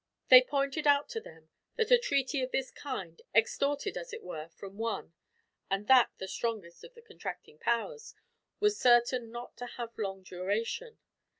They pointed out to them that a treaty of this kind, extorted as it were from one, and that the strongest of the contracting powers, was certain not to have long duration.